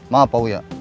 maaf pak wuyak